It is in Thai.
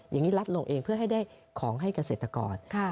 อย่างนี้รัฐลงเองเพื่อให้ได้ของให้เกษตรกร